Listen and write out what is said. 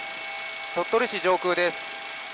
鳥取市上空です。